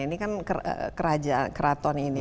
ini kan keraton ini